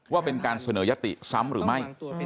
ว่าเป็นการเสนอยติซ้ำหรือไม่